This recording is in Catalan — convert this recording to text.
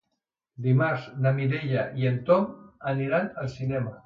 Dimarts na Mireia i en Tom aniran al cinema.